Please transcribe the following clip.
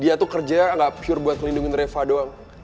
dia tuh kerjanya gak pure buat ngelindungin reva doang